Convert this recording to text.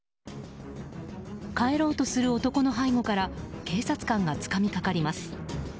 帰ろうとする男の背後から警察官がつかみかかります。